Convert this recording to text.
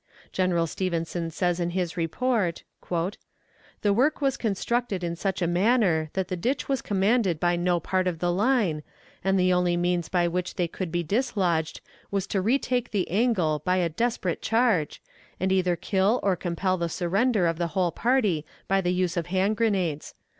General Stevenson says in his report: "The work was constructed in such a manner that the ditch was commanded by no part of the line, and the only means by which they could be dislodged was to retake the angle by a desperate charge, and either kill or compel the surrender of the whole party by the use of hand grenades.